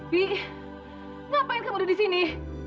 wih ngapain kamu udah di sini